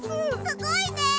すごいね！